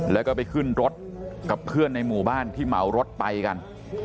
แล้วก็ไปขึ้นรถกับเพื่อนในหมู่บ้านที่เหมารถไปกัน